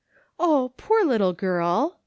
" Oh, poor little girl !